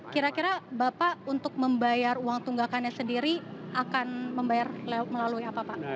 kira kira bapak untuk membayar uang tunggakannya sendiri akan membayar melalui apa pak